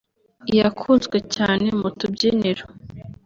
iyakunzwe cyane mu tubyiniro